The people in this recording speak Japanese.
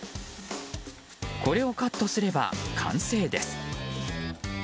これをカットすれば完成です。